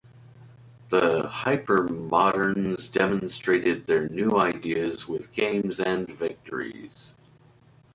The Hypermoderns demonstrated their new ideas with games and victories.